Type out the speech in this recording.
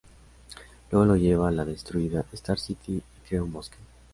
Luego lo lleva a la destruida Star City y crea un bosque.